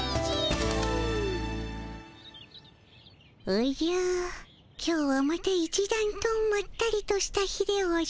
おじゃ今日はまたいちだんとまったりとした日でおじゃる。